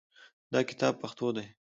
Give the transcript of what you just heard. دا کتاب پښتو دی